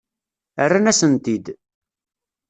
Rran-asen-t-id.